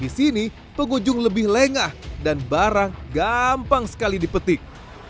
di sini pengunjung lebih lengah dan barang gampang sekali dipetik